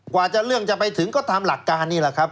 เรื่องจะไปถึงก็ตามหลักการนี่แหละครับ